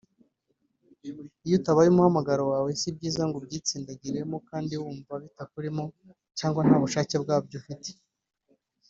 Iyo utabaye umuhamagaro wawe si byiza ngo ubyi tsindagiremo kandi wumva bitakurimo cyangwa nta n’ubushake bwabyo ufite